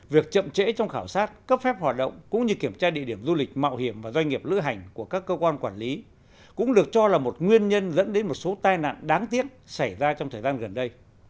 việc chậm trễ trong khảo sát cấp phép hoạt động cũng như kiểm tra địa điểm du lịch mạo hiểm và doanh nghiệp lữ hành của các cơ quan quản lý cũng được cho là một nguyên nhân dẫn đến một số tai nạn đáng tiếc xảy ra trong thời gian gần đây